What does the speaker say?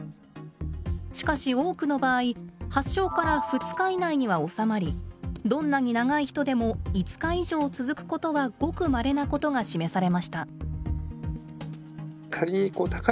しかし多くの場合発症から２日以内には治まりどんなに長い人でも５日以上続くことはごくまれなことが示されました。